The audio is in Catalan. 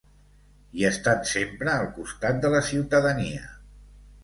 I estant sempre al costat de la ciutadania.